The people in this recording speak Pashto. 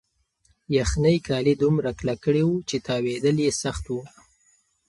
یخنۍ کالي دومره کلک کړي وو چې تاوېدل یې سخت وو.